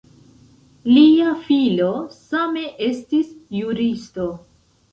Lia filo same estis juristo.